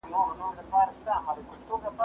هغه څوک چي امادګي منظم وي؟